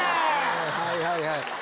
はいはいはい。